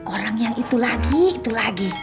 orang yang itu lagi itu lagi